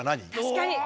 確かに！